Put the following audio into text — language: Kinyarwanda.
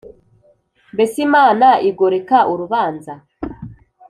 mbese imana igoreka urubanza’